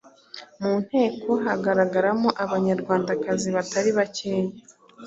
Mu nteko hagaragaramo Abanyarwandakazi batari bakeya.